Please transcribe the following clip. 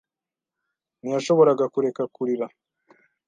Ntiyashoboraga kureka kurira.